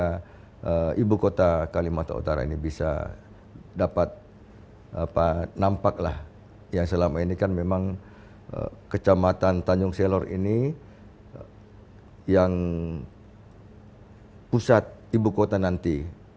karena ibu kota kalimantan utara ini bisa dapat nampak lah yang selama ini kan memang kecamatan tanjung selor ini yang pusat ibu kota nanti